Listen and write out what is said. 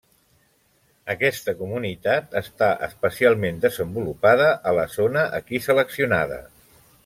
Aquesta comunitat està especialment desenvolupada a la zona aquí seleccionada.